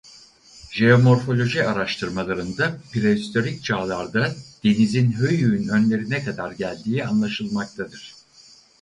Jeomorfoloji araştırmalarında prehistorik çağlarda denizin Höyük'ün önlerine kadar geldiği anlaşılmaktadır.